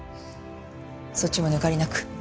そっちも抜かりなく。